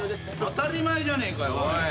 当たり前じゃねえかよおい。